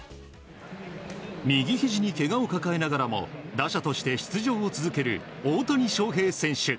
右ひじにけがを抱えながらも打者として出場を続ける大谷翔平選手。